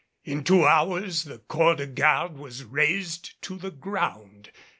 In two hours the corps de garde was razed to the ground.